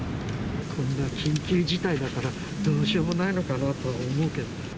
こんな緊急事態だから、どうしようもないのかなと思うけど。